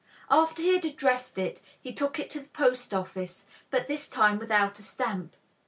After he had addressed it he took it to the post office, but this time without a stamp.